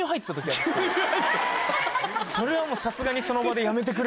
それはもうさすがにその場で「やめてくれ！」